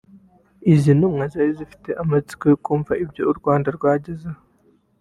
Izi ntumwa zari zifite amatsiko yo kumva ibyo u Rwanda rwagezeho